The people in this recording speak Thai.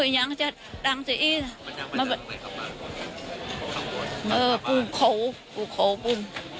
แย่งจะดังตรงนั้น